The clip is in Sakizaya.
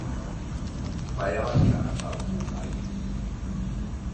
payawan talakaw ku laying